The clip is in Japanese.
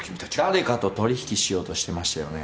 誰かと取り引きしようとしてましたよね？